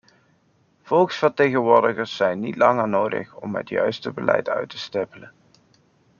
Volksvertegenwoordigers zijn niet langer nodig om het juiste beleid uit te stippelen.